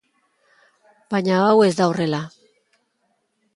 Baina hau ez da horrela.